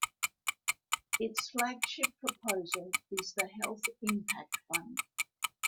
Its flagship proposal is the Health Impact Fund.